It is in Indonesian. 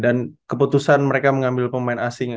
dan keputusan mereka mengambil pemain asing